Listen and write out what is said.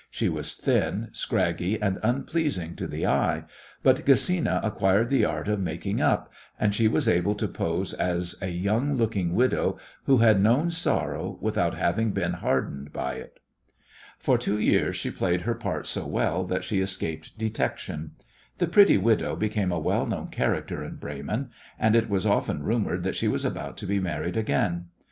She was thin, scraggy, and unpleasing to the eye, but Gesina acquired the art of making up, and she was able to pose as a young looking widow who had known sorrow without having been hardened by it. For two years she played her part so well that she escaped detection. The "pretty widow" became a well known character in Bremen, and it was often rumoured that she was about to be married again.